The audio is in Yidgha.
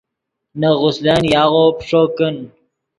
نے غسلن یاغو پیݯو کن